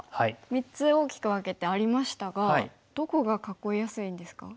３つ大きく分けてありましたがどこが囲いやすいんですか一番。